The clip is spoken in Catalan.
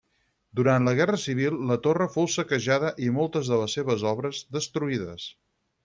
Durant la Guerra Civil la torre fou saquejada i moltes de les seves obres destruïdes.